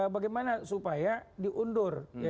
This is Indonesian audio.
bagaimana supaya diundur